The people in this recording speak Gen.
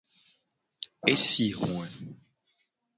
E si hoe.